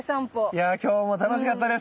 いや今日も楽しかったです。